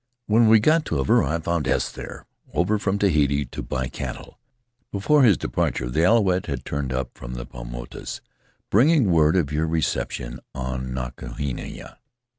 When we got to Avarua I found S there, over from Tahiti to buy cattle; before his departure the Alouette had turned up from the Paumotus, bringing word of your recep tion on Nukuhina.